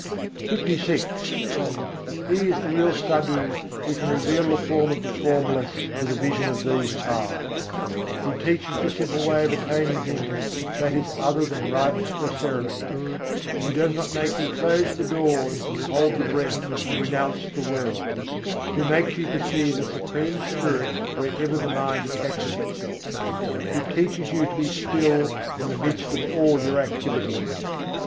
LVI I. 68. bhâi kôî satguru sant kahâwaî He is the real Sadhu, who can reveal the form of the Formless to the vision of these eyes: Who teaches the simple way of attaining Him, that is other than rites or ceremonies: Who does not make you close the doors, and hold the breath, and renounce the world: Who makes you perceive the Supreme Spirit wherever the mind attaches itself: Who teaches you to be still in the midst of all your activities.